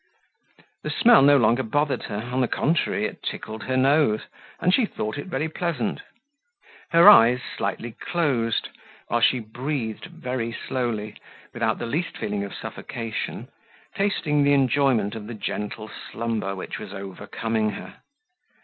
The smell no longer bothered her, on the contrary it tickled her nose, and she thought it very pleasant. Her eyes slightly closed, whilst she breathed very slowly, without the least feeling of suffocation, tasting the enjoyment of the gentle slumber which was overcoming her.